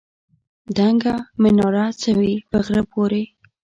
دنګه مناره څه وي په غره پورې.